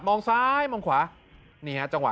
มองซ้ายมองขวานี่ฮะจังหวะ